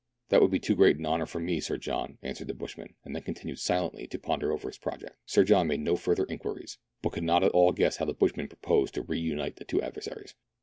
" That would be too great an honour for me. Sir John," answered the bushman, and then continued silently to ' ponder over his project. Sir John made no further inquiries, but could not at all guess how the bushman proposed to re unite the two adversaries.